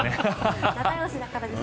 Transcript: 仲よしだからですよ。